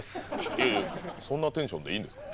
いやいやそんなテンションでいいんですか？